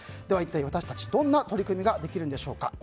では一体、私たちはどんな取り組みができるんでしょうか。